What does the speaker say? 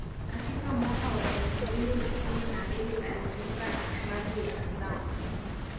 Katika mwaka wa elfu mbili na kumi na mbili alijiunga na klabu ya Azam